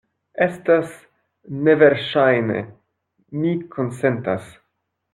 Estas neverŝajne; mi konsentas.